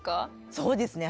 そうですね